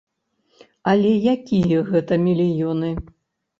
Але якія гэта мільёны?